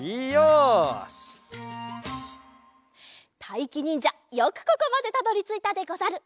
たいきにんじゃよくここまでたどりついたでござる。